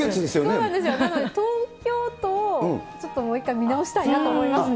そうなんですよ、なので、東京都をちょっともう一回見直したいなと思いますね。